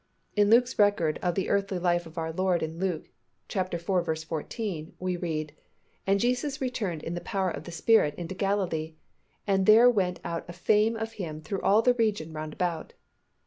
In Luke's record of the earthly life of our Lord in Luke iv. 14, we read "And Jesus returned in the power of the Spirit into Galilee, and there went out a fame of Him through all the region round about."